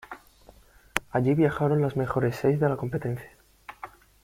Allí viajaron las mejores seis de la competencia.